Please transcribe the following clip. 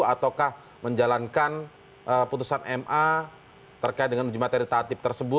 ataukah menjalankan putusan ma terkait dengan uji materi tatib tersebut